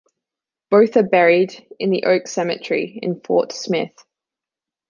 Both are buried in the Oak Cemetery in Fort Smith.